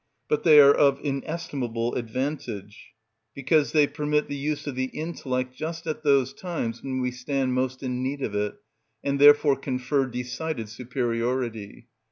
But they are of inestimable advantage, because they permit the use of the intellect just at those times when we stand most in need of it, and therefore confer decided superiority.